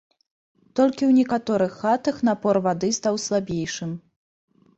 Толькі ў некаторых хатах напор вады стаў слабейшым.